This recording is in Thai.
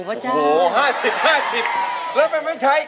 แล้วเป็นไม่ใช่